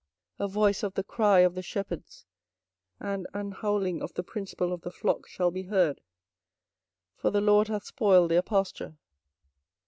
24:025:036 A voice of the cry of the shepherds, and an howling of the principal of the flock, shall be heard: for the LORD hath spoiled their pasture.